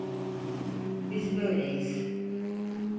Biz böyleyiz.